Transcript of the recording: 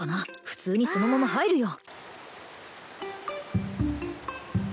普通にそのまま入るよ！